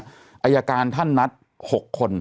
อายการท่านนัด๖คน